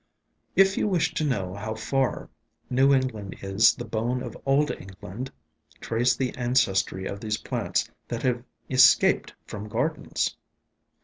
If you wish to know how far New England is bone of Old England, trace the ancestry of these plants that have "escaped from gardens"!